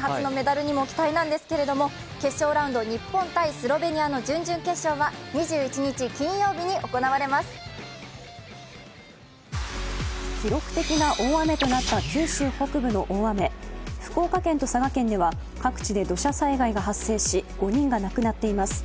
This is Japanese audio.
初のメダルにも期待なんですけれども決勝ラウンド、日本×スロベニアの準々決勝は記録的な大雨となった福岡県と佐賀県では各地で土砂災害が発生し５人が死亡しています。